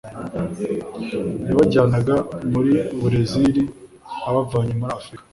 yabajyanaga muri Burezili abavanye muri Afurika,